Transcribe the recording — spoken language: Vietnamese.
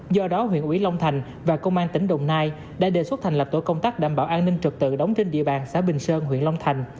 do đó huyện ủy long thành và công an tỉnh đồng nai đã đề xuất thành lập tổ công tác đảm bảo an ninh trật tự đóng trên địa bàn xã bình sơn huyện long thành